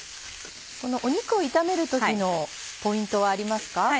この肉を炒める時のポイントはありますか？